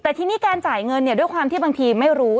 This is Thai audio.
แต่ทีนี้การจ่ายเงินเนี่ยด้วยความที่บางทีไม่รู้